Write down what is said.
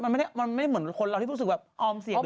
มันไม่เหมือนคนเราที่รู้สึกออมเสียง